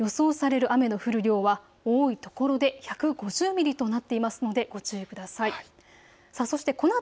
予想される雨の降る量は多いところで１５０ミリとなっていますのでご注意ください。